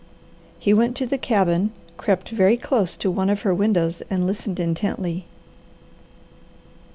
He went to the cabin, crept very close to one of her windows and listened intently.